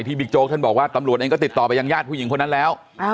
บิ๊กโจ๊กท่านบอกว่าตำรวจเองก็ติดต่อไปยังญาติผู้หญิงคนนั้นแล้ว